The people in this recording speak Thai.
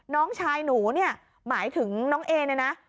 น้องชายหนูเนี่ยหมายถึงน้องเอเนี่ยนะ